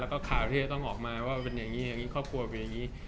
แล้วก็ข่าวที่จะต้องออกมาว่าเป็นอย่างนี้อย่างนี้ครอบครัวเป็นอย่างนี้